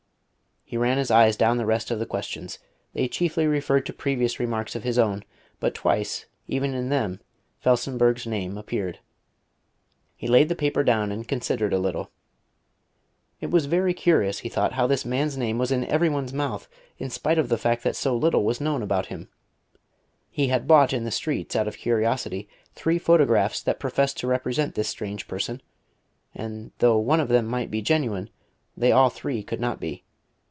He ran his eyes down the rest of the questions. They chiefly referred to previous remarks of his own, but twice, even in them, Felsenburgh's name appeared. He laid the paper down and considered a little. It was very curious, he thought, how this man's name was in every one's mouth, in spite of the fact that so little was known about him. He had bought in the streets, out of curiosity, three photographs that professed to represent this strange person, and though one of them might be genuine they all three could not be.